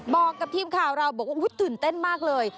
บอกกับทีมข่าวเราบอกว่าตื่นเต้นมากเลย